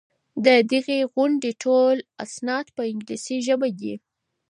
د دغي غونډې ټول اسناد په انګلیسي ژبه دي.